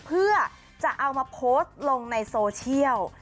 เพื่อจะเอามาโพสต์ลงในโซเชียล